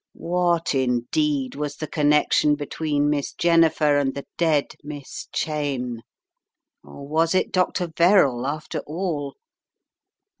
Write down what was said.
What, indeed, was the con nection between Miss Jennifer and the dead "Miss Cheyne"? — or was it Dr. Verrall, after all?